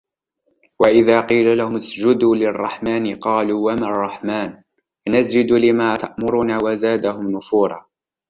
وإذا قيل لهم اسجدوا للرحمن قالوا وما الرحمن أنسجد لما تأمرنا وزادهم نفورا